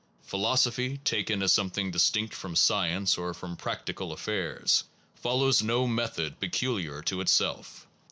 Philosophy, taken as something distinct from science or from practical affairs, follows no method peculiar to itself.